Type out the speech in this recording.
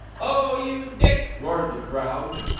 "Oh, you Dick!" roared the crowd.